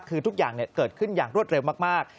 คือทุกอย่างเกิดขึ้นอย่างรวดเร็วมาก